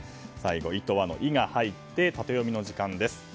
意図は？の「イ」が入ってタテヨミの時間です。